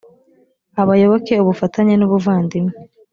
abayoboke ubufatanye n’ubuvandimwe